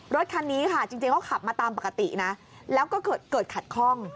รถคันนี้ค่ะจริงเขาขับมาตามปกตินะแล้วก็เกิดขัดข้อง